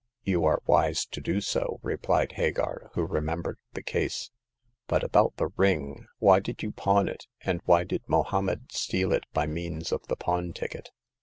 You are wise to do so," replied Hagar, who remembered the case. But about the ring. Why did you pawn it, and why did Mohommed steal it by means of the pawn ticket